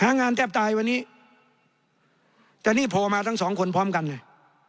หางานแทบตายวันนี้แต่นี่โผล่มาทั้งสองคนพร้อมกันไง